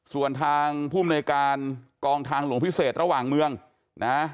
ส่วนทางภูมิในการกองทางหลวงพิเศษระหว่างเมืองนะ